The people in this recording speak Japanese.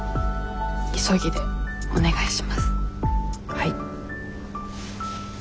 はい。